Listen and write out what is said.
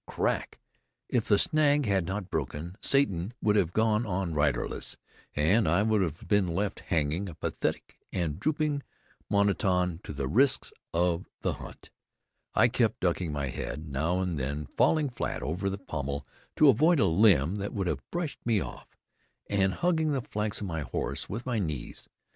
Crack! If the snag had not broken, Satan would have gone on riderless, and I would have been left hanging, a pathetic and drooping monition to the risks of the hunt. I kept ducking my head, now and then falling flat over the pommel to avoid a limb that would have brushed me off, and hugging the flanks of my horse with my knees.